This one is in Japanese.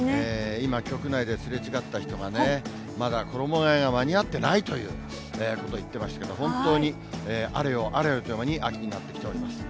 今、局内ですれ違った人がね、まだ衣がえが間に合ってないということを言ってましたけども、本当にあれよ、あれよという間に秋になってきております。